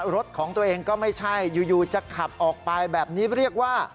รถของตัวเองก็ไม่ใช่อยู่จะขับออกไปแบบนี้เรียกว่า